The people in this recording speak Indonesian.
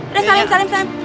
udah salim salim salim